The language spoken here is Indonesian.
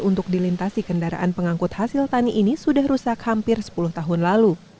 untuk dilintasi kendaraan pengangkut hasil tani ini sudah rusak hampir sepuluh tahun lalu